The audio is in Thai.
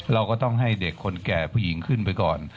เราก็ต้องให้เด็กคนแก่ผู้หญิงขึ้นไปก่อน